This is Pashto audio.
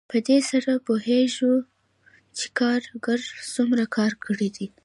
په دې سره پوهېږو چې کارګر څومره کار کړی دی